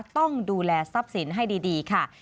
ต้องดูแลทรัพย์สินให้ดีค่ะ